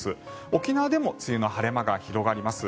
沖縄でも梅雨の晴れ間が広がります。